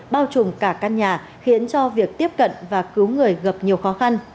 bao trùm cả căn nhà khiến cho việc tiếp cận và cứu người gặp nhiều khó khăn